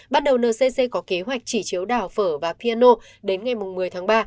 bắt đầu ncc có kế hoạch chỉ chiếu đào phở và piano đến ngày một mươi tháng ba